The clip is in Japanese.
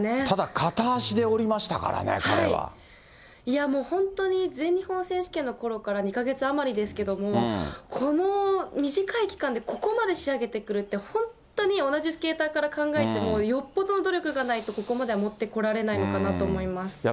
ただ、片足で降りましたからね、いやもう、全日本選手権のころから２か月余りですけれども、この短い期間でここまで仕上げてくるって、本当に同じスケーターから考えても、よっぽどの努力がないと、ここまではもってこられないのかなと思います。